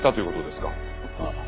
ああ。